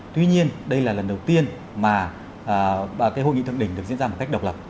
tuy nhiên đây là lần đầu tiên mà hội nghị thượng đỉnh được diễn ra một cách độc lập